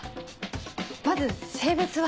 まず性別は。